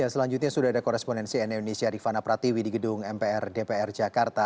selanjutnya sudah ada korespondensi nn indonesia rifana pratiwi di gedung mpr dpr jakarta